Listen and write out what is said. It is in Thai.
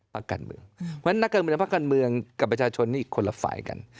พักการเมืองเพราะฉะนั้นนักการเมืองภาคการเมืองกับประชาชนนี่คนละฝ่ายกัน